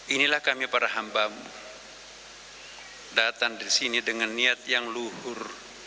inilah kami para hambamu datang di sini dengan niat yang luhur